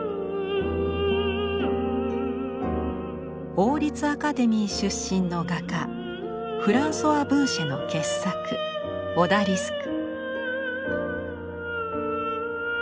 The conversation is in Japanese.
王立アカデミー出身の画家フランソワ・ブーシェの傑作「オダリスク」。